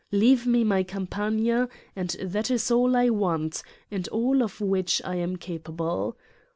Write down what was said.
Leave me my Campagna and that is all I want and all of which I am capable.